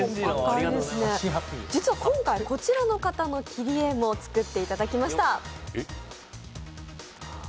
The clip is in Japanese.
実は今回、こちらの方の切り絵も作っていただきました。